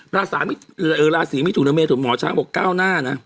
ราศีมิถุนาเมถุนหมอช้างบอกก้าวหน้านะ